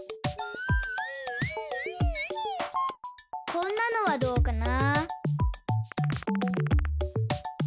こんなのはどうかな。